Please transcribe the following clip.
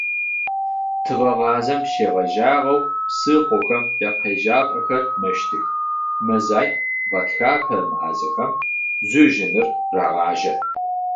Тыгъэгъазэм щегъэжьагъэу псыхъом икъежьапӏэхэр мэщтых, мэзай – гъэтхэпэ мазэхэм жъужьыныр рагъажьэ.